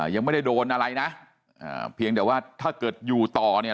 ยังไม่ได้โดนอะไรนะเพียงแต่ว่าถ้าเกิดอยู่ต่อเนี่ย